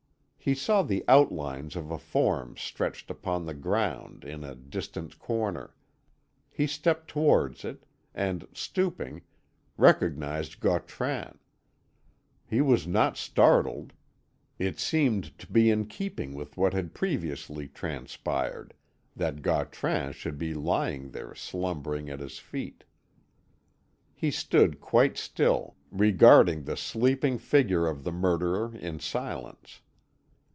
He saw the outlines of a form stretched upon the ground in a distant corner; he stepped towards it, and stooping, recognised Gautran. He was not startled. It seemed to be in keeping with what had previously transpired, that Gautran should be lying there slumbering at his feet. He stood quite still, regarding the sleeping figure of the murderer in silence.